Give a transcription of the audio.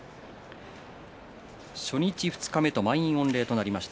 初日二日目と満員御礼となりました。